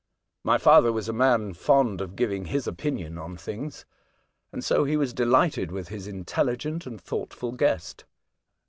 My father was a man fond of giving his opinion on things, and so he was dehghted with his intelhgent and thoughtful guest.